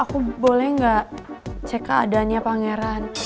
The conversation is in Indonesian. aku boleh nggak cek keadaannya pangeran